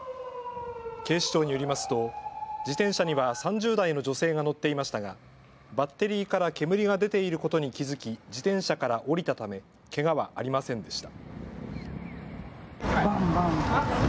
警視庁によりますと自転車には３０代の女性が乗っていましたがバッテリーから煙が出ていることに気付き、自転車から降りたためけがはありませんでした。